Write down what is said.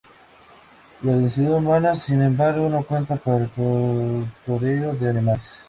La densidad humana, sin embargo, no cuenta para el pastoreo de animales.